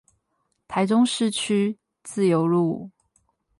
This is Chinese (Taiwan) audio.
台中市區自由路